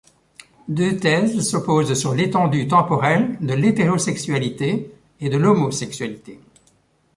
Deux thèses s’opposent sur l’étendue temporelle de l’hétérosexualité et de l’homosexualité.